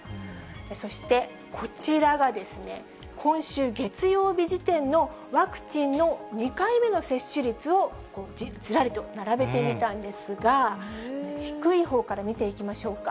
そして、こちらは今週月曜日時点のワクチンの２回目の接種率を、ずらりと並べてみたんですが、低いほうから見ていきましょうか。